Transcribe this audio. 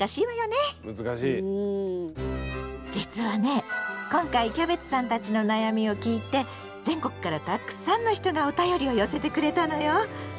実はね今回キャベツさんたちの悩みを聞いて全国からたくさんの人がおたよりを寄せてくれたのよ。